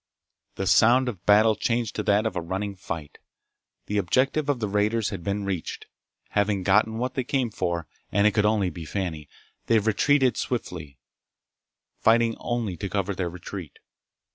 The sound of battle changed to that of a running fight. The objective of the raiders had been reached. Having gotten what they came for—and it could only be Fani—they retreated swiftly, fighting only to cover their retreat.